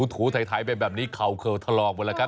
ถูไถแบบนี้เขาเคลวทะลองหมดแล้วค่ะ